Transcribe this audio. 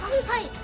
はい。